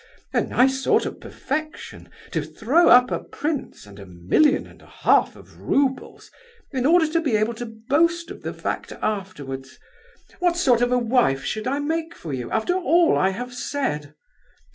A nice sort of perfection to throw up a prince and a million and a half of roubles in order to be able to boast of the fact afterwards! What sort of a wife should I make for you, after all I have said?